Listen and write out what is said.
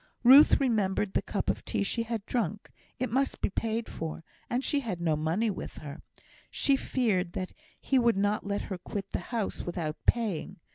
Ruth remembered the cup of tea that she had drank; it must be paid for, and she had no money with her. She feared that he would not let her quit the house without paying.